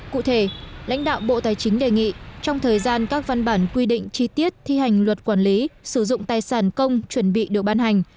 cụ thể lãnh đạo bộ tài chính đề nghị trong thời gian các văn bản quy định chi tiết thi hành luật quản lý sử dụng tài sản công chuẩn bị được ban hành